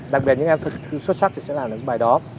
đặc biệt những em thực sự xuất sắc sẽ làm được bài đó